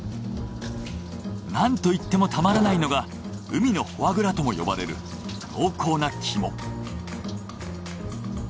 なんといってもたまらないのが海のフォアグラとも呼ばれる濃厚なキモ。